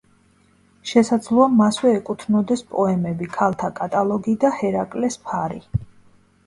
შესაძლოა მასვე ეკუთვნოდეს პოემები „ქალთა კატალოგი“ და „ჰერაკლეს ფარი“.